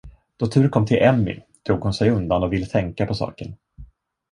Då turen kom till Emmy, drog hon sig undan och ville tänka på saken.